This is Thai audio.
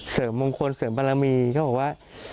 เสริมมงคลเสริมบารมีเขาบอกว่า